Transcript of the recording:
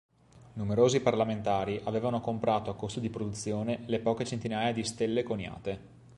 Numerosi parlamentari avevano comprato a costo di produzione le poche centinaia di "Stelle" coniate.